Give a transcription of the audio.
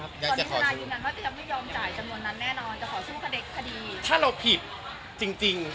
ตรงนี้ธนายยืมยันว่าจะยอมไม่ยอมจ่ายจำนวนนั้นแน่นอนจะขอสู้คดี